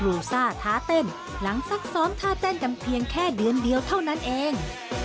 ลูซ่าท้าเต้นหลังซักซ้อมท่าเต้นกันเพียงแค่เดือนเดียวเท่านั้นเอง